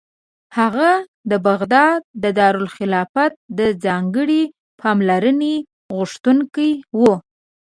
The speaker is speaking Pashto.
هغه د بغداد د دارالخلافت د ځانګړې پاملرنې غوښتونکی و.